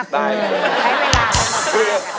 ใช้เวลา